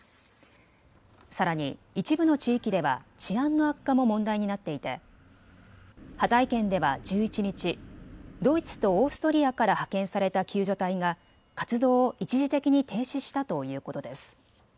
さらに一部の地域では治安の悪化も問題になっていてハタイ県では１１日、ドイツとオーストリアから派遣された救助隊が活動を一時的に停止したということです。